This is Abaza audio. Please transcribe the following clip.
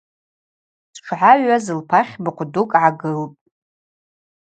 Дшгӏагӏвуаз лпахь быхъв дукӏ гӏагылтӏ.